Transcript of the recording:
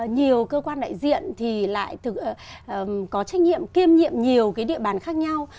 nhiều cơ quan đại diện thì lại có trách nhiệm kiêm nhiệm nhiều địa bàn khác nhau